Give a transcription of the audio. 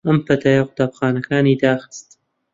ئەم پەتایە قوتابخانەکانی داخست